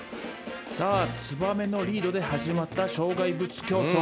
さあツバメのリードで始まった障害物競走。